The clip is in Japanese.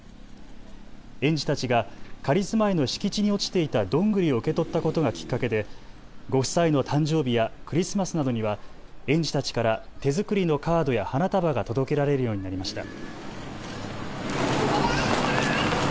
園児たちが仮住まいの敷地に落ちていたどんぐりを受け取ったことがきっかけでご夫妻の誕生日やクリスマスなどには園児たちから手作りのカードや花束が届けられるようになりました。